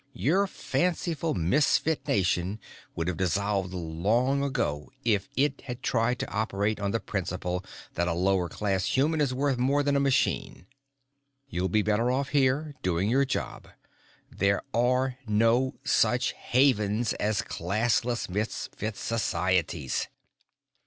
Your fanciful Misfit nation would have dissolved long ago if it had tried to operate on the principle that a lower class human is worth more than a machine. "You'll be better off here, doing your job; there are no such havens as Classless Misfit societies."